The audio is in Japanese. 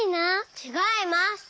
ちがいます。